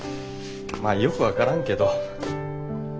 まあよく分からんけど。